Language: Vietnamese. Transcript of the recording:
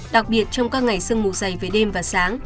đặc biệt trong các ngày sương mù dày về đêm và sáng